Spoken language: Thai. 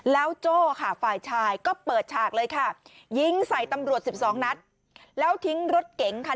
แล้วโจ้ค่ะฝ่ายชายก็เปิดฉากเลยค่ะยิงใส่ตำรวจ๑๒นัดแล้วทิ้งรถเก๋งค่ะ